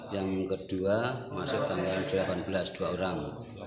yang kedua masuk tanggal delapan belas dua orang